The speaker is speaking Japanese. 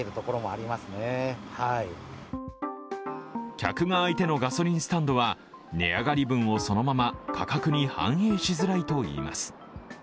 客が相手のガソリンスタンドは、値上がり分をそのまま価格に反映しづらいと言います。